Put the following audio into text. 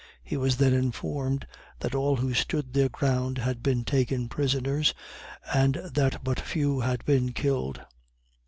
He was there informed that all who stood their ground had been taken prisoners, and that but few had been killed.